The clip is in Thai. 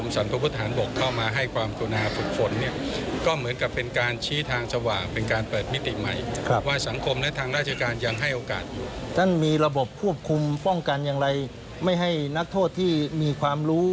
ท่านมีระบบควบคุมป้องกันอย่างไรไม่ให้นักโทษที่มีความรู้